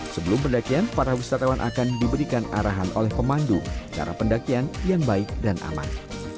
sebelum pendakian para wisatawan akan diberikan arahan oleh pemandu cara pendakian yang baik dan aman